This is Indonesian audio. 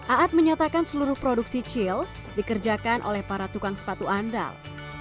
aat menyatakan seluruh produksi cil dikerjakan oleh para tukang sepatu andal